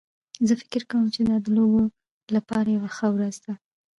زه فکر کوم چې دا د لوبو لپاره یوه ښه ورځ ده